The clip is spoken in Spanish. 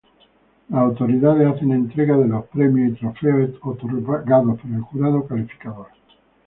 Las Autoridades hacen entrega de los Premios y Trofeos otorgados por el Jurado calificador.